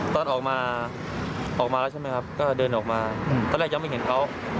ตอนออกมาออกมาแล้วใช่ไหมครับก็เดินออกมาตอนแรกยังไม่เห็นเขา